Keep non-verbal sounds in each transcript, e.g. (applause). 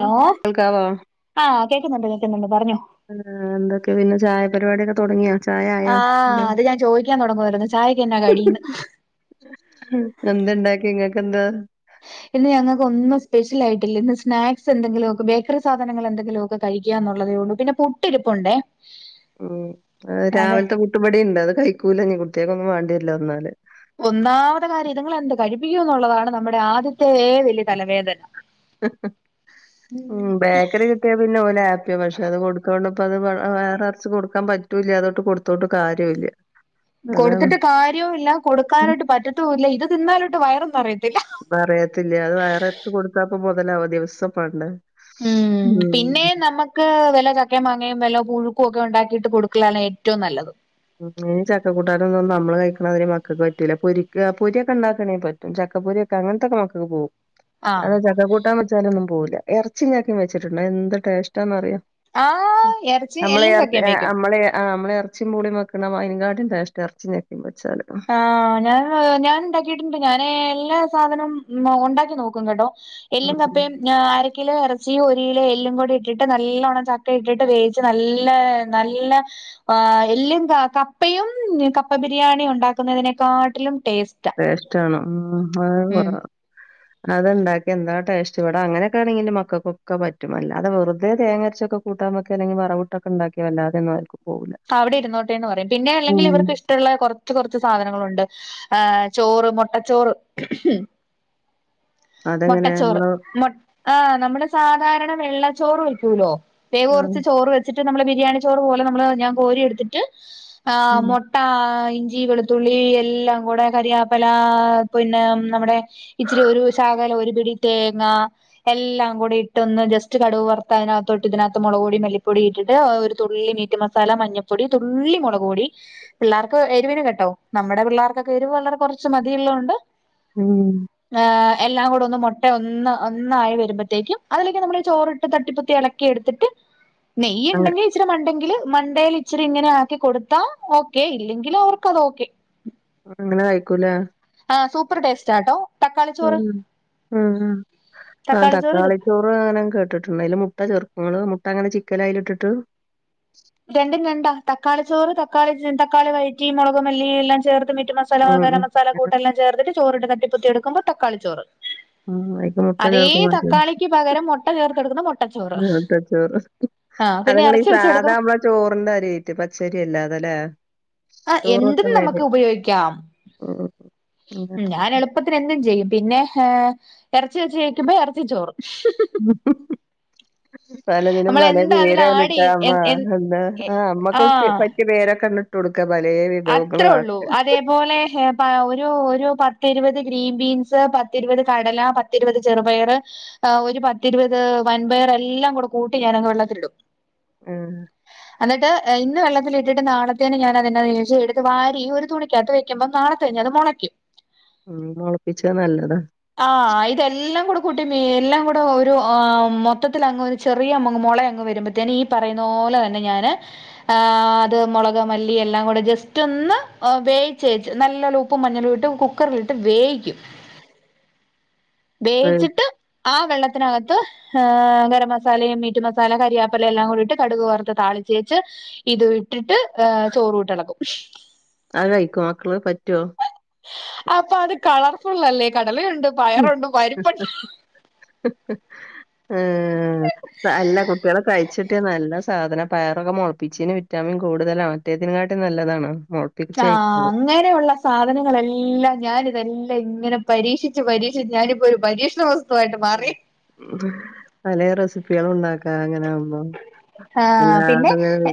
(unintelligible) കേൾക്കാവോ ആഹ് കേക്കുന്നോണ്ട് കേക്കുന്നോണ്ട് പറഞ്ഞോ ആഹ് എന്തൊക്കെ പിന്നെ ചായ പരിപാടിയൊക്കെ തൊടങ്ങിയോ ചായ ആയോ ആഹ് എന്താ അത് ഞാൻ ചോയിക്കാൻ തൊടങ്ങുവാരുന്നു ചായക്കെന്നാ കടീന്ന് എന്തണ്ടാക്കി ഇങ്ങക്കെന്താ ഇന്ന് ഞങ്ങക്ക് ഒന്നും സ്പെഷ്യലായിട്ടില്ല ഇന്ന് സ്നാക്സ് എന്തെങ്കിലുക്കെ ബേക്കറി സാധനങ്ങൾ എന്തെലുവൊക്കെ കഴിക്കാന്നുള്ളതേ ഒള്ളൂ പിന്നെ പുട്ടിരിപ്പോണ്ടേ ഉം അത് രാവിൽത്തെ പുട്ടുപടിണ്ട് അത് കയ്ക്കൂലഞ് കുട്ടിയൾകൊന്നും വാണ്ടിര്‌ല വന്നാല് ഒന്നാമത്തെ കാര്യം ഇതിങ്ങളെന്തു കഴിപ്പിക്കൂന്നുള്ളതാണ് നമ്മുടെ ആദ്യത്തെ വലിയ തലവേദന ഉം ബേക്കറി കിട്ടിയാ പിന്നെ ഒലാപ്പിയാ പഷേ അത് കൊട്ത്തോണ്ട്പ്പത് വയറർച്ച് കൊട്ക്കാം പറ്റുല്യ അതോട്ട് കൊ ത്തോട്ട് കാരുല്യ കൊട്ത്തിട്ട് കാര്യുല്ല കൊട്ക്കാനോട്ട് പറ്റത്തൂല്ല ഇത് തിന്നാലോട്ട് വയറും നെറയത്തില്ല നെറയത്തില്യാ അത് വയറർച്ച് കൊട്ത്താപ്പോ മെതലാവോ ദിവസോം മാണ്ടേ ഉം പിന്നെ നമ ക്ക് വല്ല ചക്കേം മാങ്ങേ വല്ല പുഴുക്കുക്കെണ്ടാക്കിട്ട് കൊടുക്കലാണ് ഏറ്റവും നല്ലത് ഉം ചക്കക്കൂട്ടാനൊന്നന്നും നമ്മള് കഴിക്ക്ണാതിരി മക്കക്ക് പറ്റുല പൊരിക്കാ പൊരിക്കണ്ടാക്കണങ്കി പ ചക്കപ്പൊരിക്കെ അങ്ങൻത്തക്കെ മക്കക്ക് പോവും ആഹ് അത് ചക്കകൂട്ടാൻ വെച്ചാലൊന്നും പോവില്ല എറച്ചിം ചക്കേം വെച്ചിട്ടുണ്ടോ എന്ത് ടേസ്റ്റാന്നറിയോ ആഹ് ഇറച്ചി അമ്മളെ എല്ലും എർത് ചക്കയും ഏ വെക്കും അമ്മളെ ആ അമ്മളെർ ച്ചിം പൂളിം വെക്ക്ണമായിരിങ്കാട്ടിലും ടേസ്റ്റാ എർച്ചിം ചക്കിം വെച്ചാല്. ആഹ്. ഞാന് ഞാന്ണ്ടാക്കീട്ട്ണ്ട് ഞാന് എല്ലാ സാധനും ഉം ഉണ്ടാക്കി നോക്കും കേട്ടോ. എല്ലും ഉം കപ്പിം ഞാര് കിലോ എറച്ചിയും ഒരിലോ എല്ലും കൂടി ഇട്ടിട്ട് നല്ലോണം ചക്കെ ഇട്ടിട്ട് വേവിച്ച് നല്ലാ നല്ല ആ എല്ലും ക കപ്പയും കപ്പ ബിരിയാണി ഉണ്ടാക്കുന്നതിനെക്കാട്ടിലും ട്ടേസ് ട്ടേസ്റ്റാണ് ഉം ആ അ. അത്ണ്ടാക്ക്യ ന്താ ടേസ്റ്റ് വ്ടെ അങ്ങനെക്കെണെങ്കിലും മക്കക്കൊക്ക പറ്റും അല്ലാതെ വെറ്തെ തേങ്ങരച്ചൊക്കെ കൂട്ടാം വെക്കാനങ്കി വറവ്ട്ടൊക്കെണ്ടാക്കിയ വല്ലാരു നോർക്കു. അവിടെ ഇര്ന്നോട്ടെന്ന് പറിയും ട്ടിന്നെ അല്ലങ്കില് ഉം ഇവർക്ക് ഇഷ് ട്ടള്ളെ കൊറച്ച് കൊറച്ച് സാധനങ്ങളുണ്ട് ഏ ചോറ് മുട്ടച്ചോറ് ഉം. മൊട്ട അതെങ്ങനെ ചോറ് നമ്മള് മൊ ആഹ് നമ്മള് സാധാരണ വെള്ളച്ചോറ് വെക്ക്യൂലോ പേവ് ഉം കൊറച്ച് ചോറ് വെ ച്ചിട്ട് നമ്മള് ബിരിയാണി ച്ചോറ് പോലെ നമ്മള് ഞാൻ കോരിയെട്ത്തിട്ട് ആ ഉം മൊ ട്ടാ ഇഞ്ചി വെളുത്തുള്ളി എല്ലാങ്കൂടെ കരിയാപ്പലാ പുന്നെ നമ്മുടെ ഇച്ചിരി ഒരു ഷാകലം ഒരു പിടി തേങ്ങ. എല്ലാം കൂടി ഇട്ടൊന്ന് ജസ്റ്റ് കടുവ് വർത്ത ഐനകത്തോട്ട് ഇതിനകത്ത് മുളക് പൊടി മെല്ലിപ്പൊടി ഇട്ടിട്ട് ഒരു തുള്ളി മീറ്റ് മ സാല മഞ്ഞപ്പൊടി തുള്ളി മൊളക് പൊടി. പിള്ളേർക്ക് എരിവിന് കേട്ടോ നമ്മടെ പിള്ളേർക്കൊക്കെ എരിവ് വളരെ കുറച്ച് മതിള്ളൊണ്ട്. ഉം. ആഹ്. എല്ലാം കൂടെ ഒന്ന് മുട്ട ഒന്ന് ഒന്നായി വരുമ്പത്തേക്കും അതിലേക്ക് നമ്മൾ ചോറിട്ട് തട്ടിപ്പതി എളേക്കിയെട്ത്തിട്ട്. (unintelligible) നെയ്യ് ണ്ടങ്കി ച്ചിരി മണ്ടെങ്കില് മണ്ടയിൽ ഇച്ചിരി ഇങ്ങനെ ആക്കി കൊട്ത്താ ഓക്കെ ഇല്ലെങ്കിൽ അവർക്ക് അത് ഓക്കെ. ങ്ങനെ കഴിക്കുല്ലേ? ആഹ് സൂപ്പർ ടേസ്റ്റാട്ടോ. ഉം തക്കാളിച്ചോറ് ഉം ഉം അ തക്കാളിച്ചോറ് ഇതും തക്കാളിക്കു പാ നൻ കേട്ടിട്ടുണ്ട് അയില് മുട്ട ചേർക്കുമള് മുട്ടങ്ങനെ ചിക്കനയിലിട്ട്ട്ട്. രണ്ടും രണ്ടാ തക്കാളി ചോറ് തക്കാളി തക്കളി വയറ്റിയും മുളകും മല്ലിയും എല്ലാം ചേർത്ത് മീറ്റ്‌ മസ് ഉം മസലാകാര ഉം മസാല കൂട്ട എല്ലാം ചേർത്തിട്ട് ചോറിട്ട് തട്ടിപ്പത്തി എടുക്കുമ്പോ തക്കാളിചോറ്. ഉം അയിക്ക് മുട്ട അതേ ചേർക്കും അത് തക്കാളിക്ക് പകരം മുട്ട ചേർത്തെടുക്കുന്ന മുട്ടച്ചോറ് മുട്ടച്ചോറ് ആഹ്‌ പിന്നെ അതങ്ങള് ഈ ഇറച്ചി വെച്ച സാധാ എടുക്കുവ നമ്മളെ ചോറിന്റെ അരിയായിട്ട് പച്ചരി അല്ലാതെ ല്ലെ. ആ എന്തും നമുക്ക് ഉപയോഗിക്കാം ഉം ഉം. അങ്ങനെ. ഞാൻ എള് അത്തിന് എന്തും ചെയ്യും പിന്നെ ഹെ ഇറച്ചി വെച്ച് വെക്കുമ്പോ ഇറച്ചി ചോറ്. ഉ ഹ് ഹ്. പലതിനും പല നമ്മളെന്താ അതിൽ ആഡ് പേരിട്ടാ ചെയ്യ അമ്മ എ എ എന്നാ എ ആ അമ്മക്കെ ആഹ് പ വേര കണ് ടോട്ക്കാ പലേ അത്രേ വിഭവങ്ങളും ഉള്ളൂ ആക്ക അ അതേപോലെ ഹ്‌ ഒരു ഒരു പത്തിരുപത് ഗ്രീൻ ബീൻസ് പത്തിരുപത് കടല പ പത്തിരുപത് ചെറുപയർ ഒരു പത്തിരുപത് വൻപയർ എല്ലാം കൂടെ കൂട്ടി ഞാനെ വെള്ളത്തിലങ്ങിടും. ഉം എന്നിട്ട് ഇന്ന് വെള്ളത്തിലിട്ടിട്ട് നാളത്തേൻ ഞാൻതിന ചെയ്ത് വാരി ഒരു തുണിക്കകത്ത് വെക്കുമ്പം നാളത്ത തന്നെ അത് മോളയിക്കും ഉം മുളപ്പിച്ച നല്ലതാ. ആ ഇതെല്ലാം കൂടെ കുട്ടി എല്ലാം കൂടെ ഒരു ആ മൊത്തത്തിൽ അങ്ങ് ചെറിയ അമ്മങ്ങ് മോളെ അങ്ങ് വരുമ്പോത്തേന് ഈ പറയുന്നോലെ തന്നെ ഞാന് ആ അത് മുളക് മല്ലി എല്ലാം കൂടെ ജസ്റ്റ് ഒന്ന് വേച്ചേച്ച് നല്ല ലു ഉപ്പും മഞ്ഞളും ഇട്ട് കുക്കറിലിട്ട് വേയ്ക്കും (inaudible) അത് വേയ്ച്ചിട്ട് ആ വെള്ളത്തിനകത്ത്ഹ് - ഹ്,. അങ്ങനെ മസാലയും മീറ്റ് മസാല കരിയാപ്പല എല്ലാം കൂടിയിട്ട് കടുക് വറത്ത് താളിചേച്ച്... ഇത് ഇട്ടിട്ട്ഏ ചോറ് ഇട്ടിളക്കും (inaudible) അത് അയ്ക്ക്യോ മക്കള് പറ്റ്വോ (inaudible) അപ്പൊ അത് കളർഫുൾല്ലേ കടലയുണ്ട് പയറുണ്ട് പരിപ്പുണ്ട് ഹ് ഹ്ഹ ഹ് ഹ് ആ.. അല്ല കുപ്പികളെ കഴിച്ചിട്ട് നല്ല സാധനം പയറൊക്കെ മുളപ്പിച്ചിന് വിറ്റാമിൻ കൂടുതലാണ് മറ്റതിനെക്കാട്ടും നല്ലതാണ്ഉം (inaudible) അങ്ങൻ ടെള്ള സാധനങ്ങളെല്ലാം ഞാനിതെല്ലാം ഇങ്ങനെ പരീക്ഷിച്ച് പരീക്ഷി ഞാനിപ്പോ ഒരു പരീക്ഷണ വസ് (unintelligible) സുഖവായിട്ടു മാറി (inaudible) പല റെസിപ്പികളുണ്ടാക്കാ അങ്ങനാവുമ്പോ. എല്ലാരതും ഇങ്ങനെ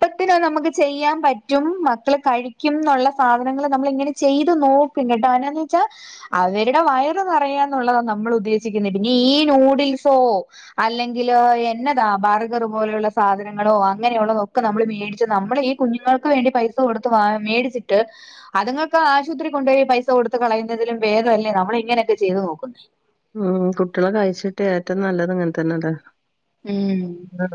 ഇപ്പത്തിനോ നമുക്ക് ചെയ്യാൻ പറ്റും (inaudible) ചെയ്യാൻ പറ്റും മക്കൾ കഴിക്കും ന്നുള്ള സാധനങ്ങൾ നമ്മൾ ഇങ്ങനെ ചെയ്തു നോ പിന്നെ ട്ടോനന്ന് വെച്ചാ. ഏ ഹ് അവരുടെ വയറ് നിറയന്നുള്ളതാ നമ്മൾ ഉദ്ദേശിക്കുന്നത് പിന്നെ ഈ നൂഡിൽസോ അല്ലെങ്കിലോ എൻ എന്നതാ ബർഗർ പോലെയുള്ള സാധനങ്ങളോ അങ്ങനെയുള്ളതൊക്കെ നമ്മൾ മേടിച്ച് നമ്മള് ഈ കുഞ്ഞുങ്ങൾക്ക് വേണ്ടി പൈസ (unintelligible) (inaudible) കൊടുത്ത് വ മേടിച്ചിട്ട് അതുങ്ങൾക്ക് ആ ആശുപത്രിക്ക് കൊണ്ട്പയി പൈസ കൊടുത്ത് കളയുന്നതിലും ബേദമല്ലേ നമ്മള് ഇങ്ങനെയൊക്കെ ചെയ്തു നോക്കുന്നത് നോക്കുന്നേ ഉം.. കുട്ടികളെ കഴിച്ചിട്ട് ഏറ്റവും നല്ലത് ഇങ്ങനെ തന്നെല്ലേ ഉം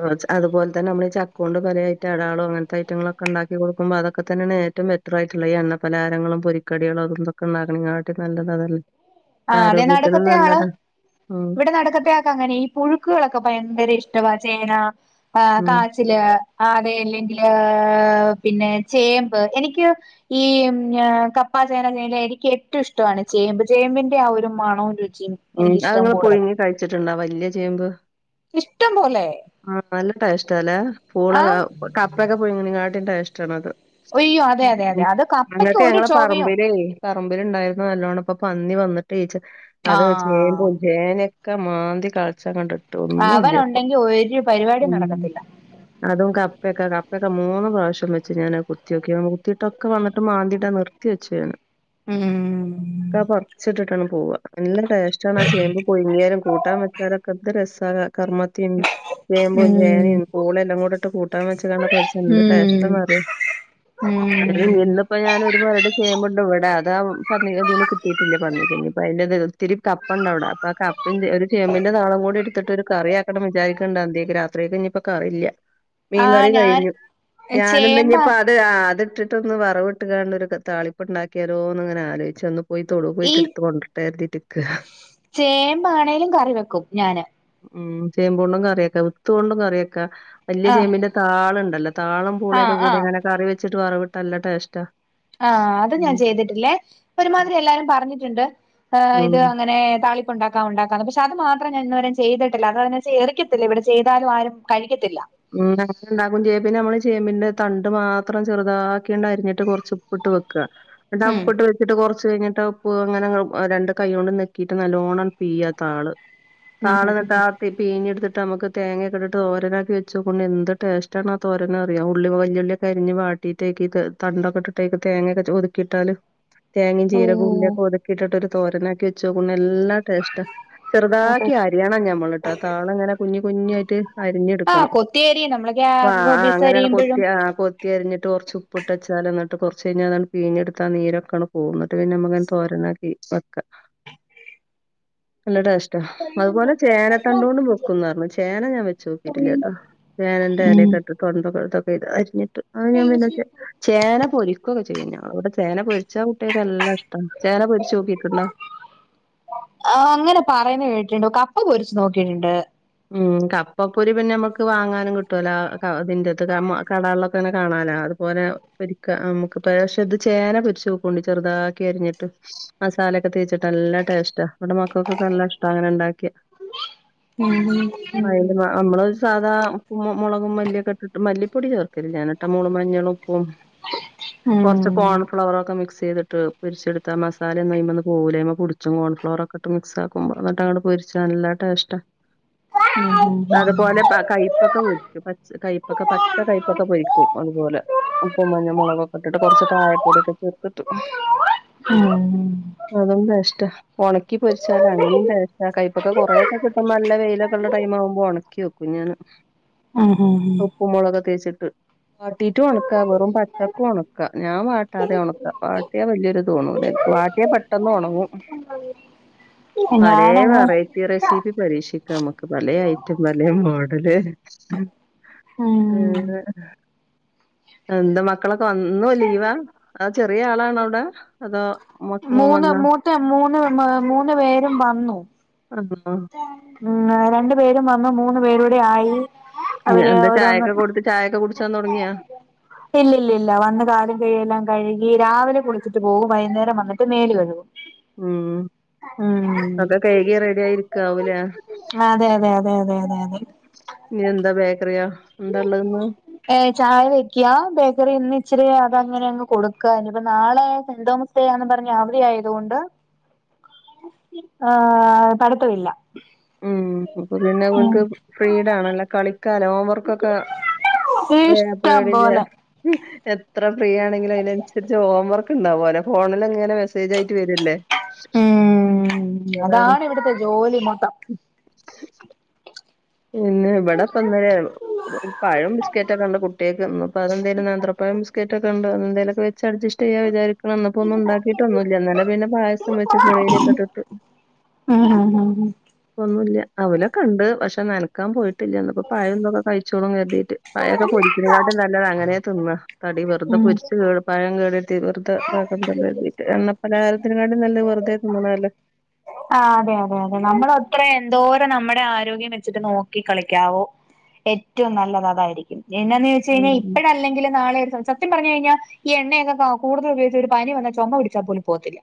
(inaudible) അതുപോലെ തന്നെ നമ്മള് ഈ ചക്ക കൊണ്ട് പല ഐറ്റംഅടാളും അങ്ങനത്തെ ഐറ്റങ്ങളൊക്കെ ഉണ്ടാക്കി കൊടുക്ക്മ്പോ അതൊക്കെ തന്നെയാണ് ഏറ്റവും.. (inaudible) ഇത്രായിട്ടുള്ള ഈഎ ണ്ണപ്പലഹാ രങ്ങളും പൊരിക്കടികളും അതുംതൊക്കെ ഉണ്ടാക്കണക്കാട്ടിലും നല്ലത് അതല്ലെ.. ആ അതെ നടക്കത്തെ ആള് ഉം ഇവിടെ നടക്കത്തെയൊക്കെ അങ്ങനെ ഈ പുഴുക്കുകളൊക്കെ ഭയങ്കര ഇഷ്ടവാ ചേന ആ ഉം കാച്ചില് (inaudible) ആ അതെ അല്ലെങ്കില്... പിന്നെ ചേമ്പ് എനിക്ക് ഈ മ് ഞ്ഞെ.. കപ്പാ ചേന ചേല എനിക്ക് ഏറ്റവും ഇഷ്ടമാണ് ചേമ്പ് ചേമ്പിൻ (inaudible) ആ ഒരു മണവും രുചിയും (unintelligible) ഉം അത്ങ്ങെൾ കൂടുതലാ പുഴുങ്ങി കഴിച്ചിട്ടുണ്ടോ ആവല്ല്യയ ചേമ്പ് ഇഷ്ടം പോലെ ആ പല ടേസ്റ്റ് ല്ലെ പൂള ആ അ കപ്പയോ ക്കെ പുയ്ങ്ങനങ്ങാട്ടി ടേസ്റ്റ ആണത് അയ്യോ അതെ അതെ അതെ (unintelligible) അത് കപ്പയ്ക്ക് ഞങ്ങൾക്കെ ഒരു ഞങ്ങളെ ചൊവയും പറമ്പിലേ.... പറമ്പില്ണ്ടായിരുന്ന് നല്ലോണ്ണം ഇപ്പൊ പന്നി വന്നിട്ടെ ച് ആ അത് ചേമ്പും ചേനക്കെ മാന്തി കൾച്ചങ്ങട്ട് അവന് ഉണ്ടെങ്കി ഒരു പരിപാടിയും ഉം. നടക്കത്തില്ല. അതും കപ്പയൊക്കെ. കപ്പയൊക്കെ മൂന്ന് പ്രാവശ്യം വെച്ച് ഞാന് കുത്തിയോക്കി കുത്തിയിട്ടൊക്കെ വന്നിട്ട് മാന്തിട്ട നിർ ക്കി വെച്ചേന..... ഉം ക്ക പറച്ചിട്ട് ട്ടാണ്ട് പോവ. നല്ല ടാസ് ച്ചോണ് ആ ചേമ്പ് പുഴുങ്ങിയാലും കൂട്ടാൻ വെച്ചാലൊക്കെ എന്ത് രസാ.. ക കർമത്തിം. ചേമ്പും ഉം ചേനിം പൂളിംല്ലാംകൂടിട്ട് കൂട്ടാൻ വെച്ച് കാണ്ടൊക്കെ വെച്ചാ എന്ത് ഉം ടാസ്റ്റാന്നറിയോ? ഉം (unintelligible) ഇന്നിപ്പോ ഞാനൊര് മൊരട് ചേമ്പുണ്ട് വിടെ. അത് (unintelligible) തിന് കിട്ടീട്ടില്ല പന്നിക്ക്. ഞ്ഞ്പ്പ അതിന്റെ (unintelligible) ത്തിരി കപ്പണ്ട് അവിടെ. അപ്പൊ ആ കപ്പിം ഒരു ചേമ്പന്റെ താളും കൂടി എടുത്തി ഒരു കറി ആക്കണം വിചാരിക്ക്ണ്ട് അന്തികക്ക്. രാത്രികക്ക് ഇനി ഇപ്പ കറില്ല. ആഹ് മീൻകറി ഞാൻ കഴിഞ്ഞു. ഞാനിന്നി ചേമ്പാ നിപ്പ അ ത് ആ അത്ട്ട്ട്ട്പ്പൊ വറവ് ഇട്ട് കാണ്ട് ഒരു താളിപ്പ് ഉണ്ടാക്കിയാലോന്ന്ങ്ങനെ ആലോചിച്ചെ (unintelligible) പോയി തൊടു ഈ പോയിട്ട് ഇട്ത്ത് കൊണ്ടരട്ടെര്തീട്ട് ഇക്കാ. ചേമ്പാണേലും കറി വെക്കും. ഞാന്. ഉം... ചേമ്പോണ്ടും കറി എക്കാ വിത്തോണ്ടും കറി എക്ക. വല്ല്യ ആഹ് ചേമ്പിന്റെ താള്ണ്ടല്ലോ താളും. ആഹ് പുളിയൊക്കെ കൂടി ആഹ് അങ്ങനെ കറി വെച്ചിട്ട് വറവിട്ട നല്ല ടേസ്റ്റാ ആ... അത് ഉം ഞാൻ ചെയ്തിട്ടില്ലേ, ഒരുമാതിരി എല്ലാരും പറഞ്ഞിട്ട്ണ്ട്. ഏ... ഉം ഇത് അങ്ങനെ താളി ഉണ്ടാക്കാ ഉണ്ടാക്കാ പക്ഷെ അത് മാത്രം ഞാൻ ഇന്നെവരെ ചെയ്തിട്ടില്ല, അത്ന്ന് വെച്ച (unintelligible) ഇവിടെ ചെയ്താലും ആരും കഴിക്കത്തില്ല മ്.. (unintelligible) ഉണ്ടാക്കും ചേയ്യും. പിന്നെ നമ്മള് ചേമ്പിന്റെ തണ്ട് മാത്രം ചെറുതാക്കിയാണ്ട് അരിഞ്ഞിട്ട് കൊറച്ച് ഉപ്പിട്ട് വെക്കാ. എന്നിട്ട് ഉം ഉപ്പിട്ട് വെച്ചിട്ട് കുറച്ച് കഴിഞ്ഞിട്ട് പ്പു അങ്ങനെങ്ങള് രണ്ട് കൈ കൊണ്ട് ഞെക്കിയിട്ട് നല്ലോണ്ണം ണ്ട് പീഴാ ആ താള്. ഉം താള് ഉം എന്നിട്ട് ഉം ആ തി പിഴിഞ്ഞെടുത്തിട്ട് മ്മക്ക് തേങ്ങയൊക്കെ ഇട്ട്ട്ട് തോരനാക്കി വെ (unintelligible) എന്ത് ടേസ്റ്റ് ആണ് ആ തോരനറിയോ ഉള്ളി വല്യള്ളിക്കെരിഞ്ഞ് വാട്ടീട്ട് അതിക്ക് തണ്ടൊക്കെട്ട് ത്തേക്ക് തേങ്ങക്കെ ചൊ ഒതുക്കി ഇട്ടാല്. തേങ്ങിം ജീരകും ഉള്ളിം ഓഹ് ഒക്കെ ഒതുക്കിയിട്ടിട്ട് ഒരു തോരനാക്കി വെച്ച് നോക്കൂ. ഇന്ന.... ല്ല ട്ടെസ്റ്റ ഓഹോ ചെറുതാക്കി അരിയണം ഞമ്മൾട്ടാ താള് ങ്ങനെ കുഞ് കുഞ്ഞയിട്ട് ആഹ് കൊത്തിയരിയും നമ്മളൊ (unintelligible) അരിയുമ്പഴും ത്തി അരിഞ്ഞിട്ട് കുറച്ച് ഉപ്പിട്ട് വെചാല് ന്നട്ട് കുറച്ച് കഴിഞ്ഞാ അതാണ്ട് പീഞ്ഞെടുത്ത ആ നീരോക്കാണ്ട് പോവും ന്നട്ട് പിന്നെ നമുക്ക് തോരനാക്കി വെക്ക നല്ല ട്ടെഷ് അതുപോലെ ചേനത്തണ്ടോണ്ടും വെക്കും ന്ന് പർഞ് ചേന ഞാൻ വെച്ച് നോക്കിട്ടില്ല ട്ടോ ചേനന്റെ ഉം എലൊക്കെ ഇട്ട് (unintelligible) അരിഞ്ഞിട്ട് അത് ഞാൻ പിന്നെ (unintelligible) ചേന പൊരിക്കുക്കെ ചെയ്യും. ഞങ്ങൾ ഇവിടെ ചേന പൊരിച്ച കുട്ടിയക്കെല്ല ഇഷ്ടാണ്. ചേന പൊരിച്ചൊക്കിട്ടുണ്ടാ? ആ, അങ്ങനെ പറയുന്ന കേട്ടിണ്ട്. കപ്പ പൊരിച്ച് നോക്കിയിട്ട്ണ്ട്. ഉം... കപ്പപ്പൊരി പിന്നെ മ്മക്ക് വാങ്ങാനും കിട്ടുല്ലോ ആ (unintelligible) ഇതിന്റത് (unintelligible) കടകളിലൊക്കെ അങ്ങെ കാണാലോ. അത് ഓന് പൊരിക്ക നമുക്ക് പക്ഷെ ഇത് ചേന പൊരിച്ചോക്കൊണ്ടി ചെറുതാക്കി അരിഞ്ഞിട്ട് മസാലയൊക്കെ തേച്ചിട്ട് നല്ല ടേസ്റ്റാ, ഇവിടെ മക്കൾക്കൊക്കെ നല്ല ഇഷ്ടാ അങ്ങനെ ഉണ്ടാക്കിയാ. (unintelligible) (unintelligible) നമ്മള് സാധാ ഉപ്പും മുളകും മല്ലിയൊക്കെ ഇട്ടിട്ട്, മല്ലിപ്പൊടി ചേർക്കില്ല ഞാന് ട്ട മോളവും മഞ്ഞളും ഉപ്പും കൊറച്ച് കോൺഫ്ലവറ് ഒക്കെ മിക്സ് ചെയ്തി ഇട്ട് പൊരിച്ചെടുത്താൽ മസാല ഒന്നും അയുമ്മേന്ന് പോവൂലാ. (unintelligible) കോൺഫ്ലോറൊക്കെട്ട് മിക്സാക്കുമ്പോ, എന്നിട്ട് അങ്ങോട്ട് പൊരിച്ച നല്ല ടേസ്റ്റാ അതുപോലെ പ കൈപ്പക്ക പൊരിക്കും പച്ച കൈപ്പക്ക പച്ച കയപ്പക്ക പൊരിക്കും അതുപോലെ. ഉപ്പും മഞ്ഞ മുളകൊക്കെ ഇട്ടിട്ട് കൊറച്ചു കായപ്പൊടിയൊക്കെ ചേർത്തിട്ട് ഉം ഉം അതും ടേസ്റ്റാ, ഒണക്കി പൊരിച്ചാല് അങ്ങനേം ടേ കൈപ്പക്ക കുറെക്കെ കിട്ടുമ്പോ നല്ല വെയിലൊക്കെ ഉള്ള ടൈം ആവുമ്പോൾ ഉണക്കി വെക്കും ഞാന്. ഉം ഉം ഉം ഉപ്പും മുളകുംക്കെ തേച്ചിട്ട് വാട്ടീറ്റും ഉണക്ക വെറും പചക്കും ഉണക്കാ ഞാൻ വാട്ടാതെ ഉണക്കാ. വാട്ടിയാൽ വലിയൊരുത് ത്തോണു ലെ വാട്ടിയ പെട്ടെന്ന് ഉണങ്ങും. (unintelligible) പലേ ഞാനങ്ങ് വെറൈറ്റി റെസി- ഇത് പരീക്ഷിക്ക മ്മക്ക് പലേ ഐറ്റം പലേ മോഡല് ഹ് ഹ് ഊം. എന്തമക്കളൊക്കെ വന്നു ലീവാ അതൊ ചെറിയ ആളാണവടെ അതോ? മ മോൻ മൂന്ന് വന്നാ മൂത്ത മൂന്ന് മ് മൂന്ന് പേരും വന്നു. ആണോ (inaudible) ഉം ആ... രണ്ടു പേരും വന്നു മൂന്ന് പേരൂടെ ആയി ഞ് അവര് എന്ത ഓരോന്ന് ചായൊക്കെ കൊടുത്ത് ചായയൊക്കെ കുടിച്ചാൻ തുടങ്ങിയാ? ഇല്ലില്ലില്ല വന്ന് കാലും കൈെല്ലാം കഴുകി രാവിലെ കുളിച്ചിട്ട് പോകും വൈകുന്നേരം വന്നിട്ട് മേല് കഴും. (inaudible) ഊം. ഒക്കെ കഴ്കി റെഡി ആയിരിക്കാവൂ ലെ? (inaudible) അതെ അതെ അതെ അതെ അതെ അതെ ഇനി എന്താ ബേക്കറിയാ? എന്താ ള്ളത് ന്ന് ഏ ചായ വെക്കയാ. ബേക്കറി ഇന്ന് ഇച്ചിരി അതഅങ്ങനെ അങ്ങ് കൊടുക്കാ ഇനി ഇപ്പ നാളെ (inaudible) സെന്റ് തോമസ് സേ ആന്ന് പറഞ് അവതി ആയതുകൊണ്ട്. (unintelligible) (unintelligible) (inaudible) ആ... പഠിത്തമില്ല. ഊം.. അപ്പൊ പിന്നെ ഉം വൾക്ക് ഫ്രീഡ ണല്ലൊ കളിക്കാലൊ ഓവർ- അക്കൊക്കെ.. വേ ഇഷ്ടം പേടില്ലേ പോലെ ഉം. എത്ര ഫ്രീ ആണെങ്കിലും അയിനനുസരിച്ച് ഹോം വർക്ക് ഉണ്ടാവോലൊ ഫോണിൽങ്ങനെ മെസ്സേജായിട്ട് വരല്ലേ? ഉം. അതാണ് ഇവിടുത്തെ ജോലി മൊത്തം. ഇന്ന് ഇവിടെപ്പന്നലേന്നു. ഒരു പഴം ബിസ്ക്കറ്റക്കെണ്ട് കൂട്ട്യേ ക്ക് ഇന്ന്പതെന്തേലും നേന്ത്രപഴം ബിസ്ക്കറ്റക്കെ ഉണ്ട് ന്തലൊക്കെ വെ വെച്ചട് ജെസ്റ്റ് ചെയ്യാന്ന് വിചാരിക്കണ്, ന്ന്പ്പൊന്നും ഉണ്ടാക്കിയിട്ടൊന്നൂല്ല. ഇന്നലെപന്നെ പായസം വെച്ച് ചെറീയരീക്കൊട്ട് ട്ട് (unintelligible) ഒന്നുല്ല, അവലൊകണ്ട് പക്ഷെ നനക്കാൻ പോയി ല്ല, ന്നപ്പം പഴുംതൊക്കെക്കെ കഴിച്ചോളുംന്ന് കരുതിയിട്ട് പയൊക്കെ പൊരിച്ചണേകാട്ടിലും നല്ലത് അങ്ങനെ തിന്നാ. ആടിവെറുതെ ഉം പൊരിച്ച് കേട പഴം കേടരുത്തി വെറുതെ താ കണ്ടല്ലോ, കര്തിട്ട, എണ്ണപ്പലഹാരത്തിനിം കാട്ടിലും നല്ലത് വെറുതെ തിന്നണതല്ലേ. ആ, അതെ അതെ അതെ നമ്മളൊത്ര എന്തോരം നമ്മടെ ആരോഗ്യം വെച്ചിട്ട് നോക്കി കളിക്കാവോ. ഏറ്റവും നല്ലതതായിരിക്കും, എന്നാന്ന് ചോയ്ച്ചായിഞാൽ ഉം ഇപ്പഴ ല്ലെങ്കിലും നാളെ (unintelligible) സത്യംപറഞ്ഞ കഴിഞ്ഞാൽ ഈ എണ്ണയൊക്കെ കകൂടുതൽപോഗിച്ച ഒരു പനി വന്ന് ചുമ പിടിച്ചാൽ പോലും പോവത്തില്ല.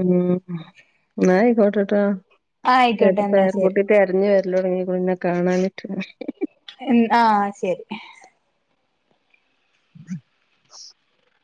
ഉം. ന്ന ആയിക്കോട്ടെട്ടോ, പേ ആയിക്കോട്ടെ പേ എന്നാ ശരി രകുട്ടി തെരഞ്ഞു വരലൊടങ്ങിക്കുണ്‌ ഇന്നെ കാണാഞ്ഞിട്ട് - ഉം ആഹ് ശരി ഉ (unintelligible)